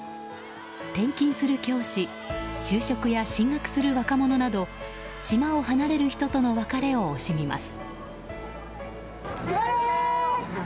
転勤する教師就職や進学する若者など島を離れる人との別れを惜しみます。